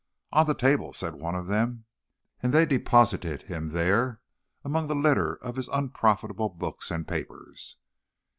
"On the table," said one of them, and they deposited him there among the litter of his unprofitable books and papers.